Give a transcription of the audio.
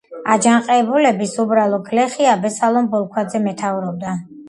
აჯანყებულებს უბრალო გლეხი აბესალომ ბოლქვაძე მეთაურობდა.